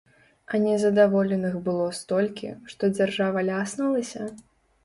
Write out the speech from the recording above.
А незадаволеных было столькі, што дзяржава ляснулася?